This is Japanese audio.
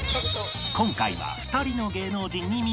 今回は２人の芸能人に密着